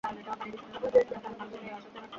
আমার ব্রেন যা ভাবার ভেবে নেয়!